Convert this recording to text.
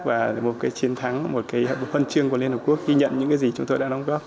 và một cái chiến thắng một cái hợp hôn trương của liên hợp quốc khi nhận những cái gì chúng tôi đã đóng góp